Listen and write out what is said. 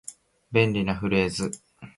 便利なフレーズ